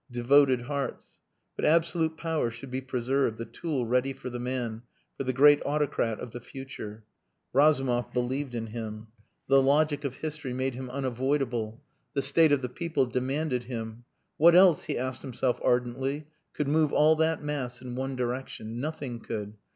Devoted hearts. But absolute power should be preserved the tool ready for the man for the great autocrat of the future. Razumov believed in him. The logic of history made him unavoidable. The state of the people demanded him, "What else?" he asked himself ardently, "could move all that mass in one direction? Nothing could.